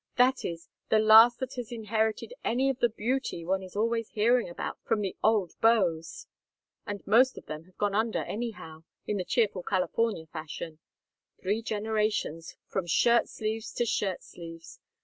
That is, the last that has inherited any of the beauty one is always hearing about from the old beaux. And most of them have gone under anyhow in the cheerful California fashion: three generations from shirt sleeves to shirt sleeves.